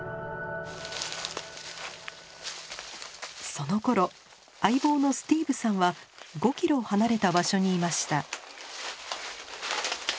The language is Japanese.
そのころ相棒のスティーブさんは５ｋｍ離れた場所にいました。